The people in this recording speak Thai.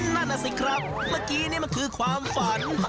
นั่นน่ะสิครับเมื่อกี้นี่มันคือความฝัน